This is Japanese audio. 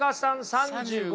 ３５。